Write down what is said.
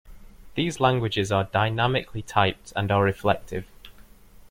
These languages are dynamically typed, and are reflective.